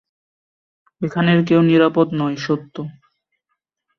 এখানের কেউ নিরাপদ নয়, সত্য।